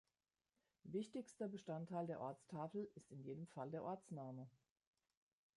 Wichtigster Bestandteil der Ortstafel ist in jedem Fall der Ortsname.